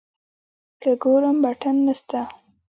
که ګورم بټن نسته.